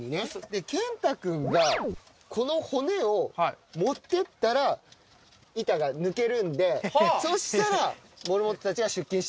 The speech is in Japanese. けんたくんがこの骨を持ってったら板が抜けるんでそしたらモルモットたちが出勤して行く。